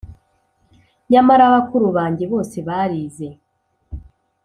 . Nyamara bakuru bange bose barize.